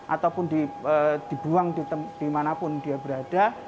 ataupun dibuang dimanapun dia berada